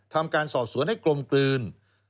ทำการสอบสวนให้กลมกลืน